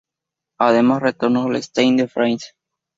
Además retornó el Stade de France.